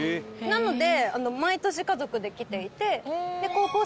なので。